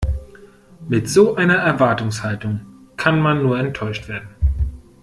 Mit so einer Erwartungshaltung kann man nur enttäuscht werden.